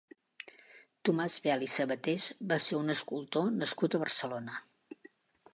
Tomàs Bel i Sabatés va ser un escultor nascut a Barcelona.